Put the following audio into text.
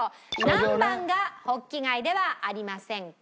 何番がホッキ貝ではありませんか？